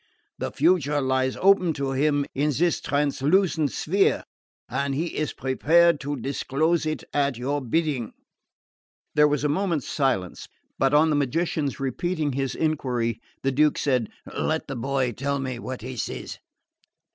The future lies open to him in this translucent sphere and he is prepared to disclose it at your bidding." There was a moment's silence; but on the magician's repeating his enquiry the Duke said: "Let the boy tell me what he sees."